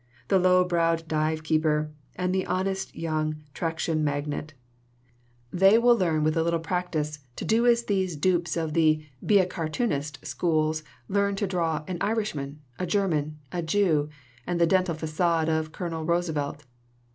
the low browed dive 107 LITERATURE IN THE MAKING keeper, and the honest young traction magnate. They will learn with a little practice to do these as the dupes of the 'Be a cartoonist!' schools learn to draw 'An Irishman,' 'A German,' 'A Jew,' and the dental facade of Colonel Roosevelt.